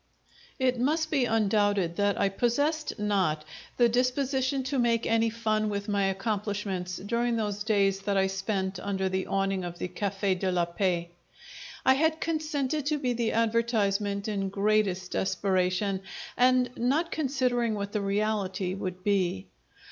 It must be undoubted that I possessed not the disposition to make any fun with my accomplishments during those days that I spent under the awning of the Cafe' de la Paix. I had consented to be the advertisement in greatest desperation, and not considering what the reality would be.